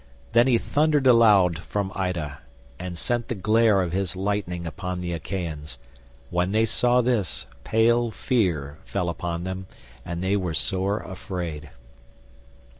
Then he thundered aloud from Ida, and sent the glare of his lightning upon the Achaeans; when they saw this, pale fear fell upon them and they were sore afraid.